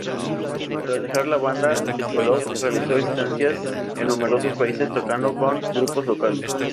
Tras dejar la banda, Sokolov realizó estancias en numerosos países, tocando con grupos locales.